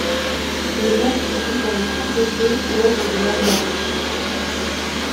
Le mal physique avait complété l'oeuvre du mal moral.